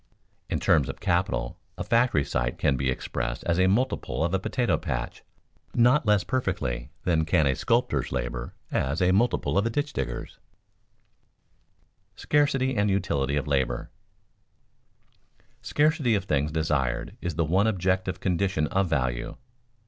In terms of capital a factory site can be expressed as a multiple of a potato patch not less perfectly than can a sculptor's labor as a multiple of a ditch digger's. [Sidenote: Scarcity and utility of labor] Scarcity of things desired is the one objective condition of value.